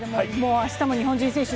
明日も日本人選手